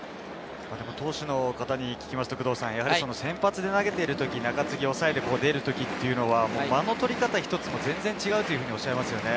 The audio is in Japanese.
投手の方に聞くと、先発で投げている時、中継ぎ抑えで出る時は間の取り方一つも全然違うとおっしゃいますね。